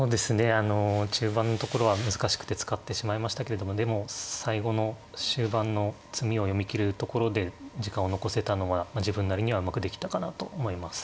あの中盤のところは難しくて使ってしまいましたけれどもでも最後の終盤の詰みを読み切るところで時間を残せたのは自分なりにはうまくできたかなと思います。